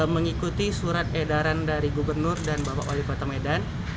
mengikuti surat edaran dari gubernur dan bapak wali kota medan